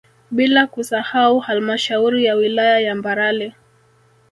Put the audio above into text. Bila kusahau halmashauri ya wilaya ya Mbarali